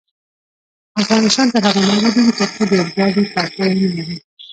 افغانستان تر هغو نه ابادیږي، ترڅو د اورګاډي پټلۍ ونلرو.